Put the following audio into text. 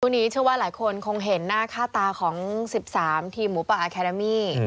นี้เชื่อว่าหลายคนคงเห็นหน้าค่าตาของ๑๓ทีมหมูป่าอาแคนามี